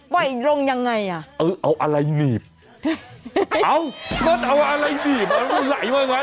ปล่อยลงยังไงอ่ะเออเอาอะไรหนีบเอาเอาอะไรหนีบอะไรไว้ไว้